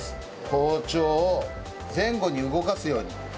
包丁を前後に動かすように。